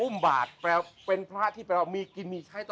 มีเคล็ดลับอีกอย่างนะ